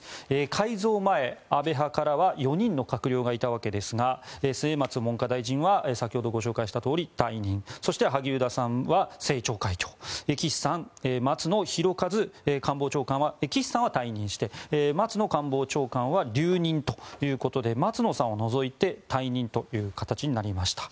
改造前、安倍派からは４人の閣僚がいたわけですが末松文科大臣は先ほどご紹介したとおり退任そして萩生田さんは政調会長岸さんは退任して松野官房長官は留任ということで松野さんを除いて退任という形になりました。